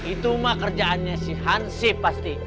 itu mah kerjaannya si hansif pasti